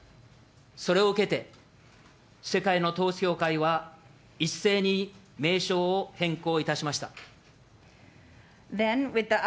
それを受けて、世界の統一教会は、一斉に名称を変更いたしました。